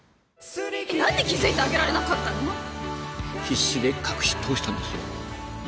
何で気付いてあげられなかったの⁉必死で隠し通したんですよ。